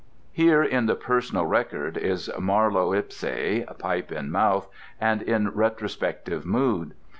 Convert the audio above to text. Here in the "Personal Record" is Marlowe ipse, pipe in mouth, and in retrospective mood.